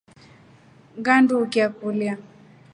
Ngandukia kulya.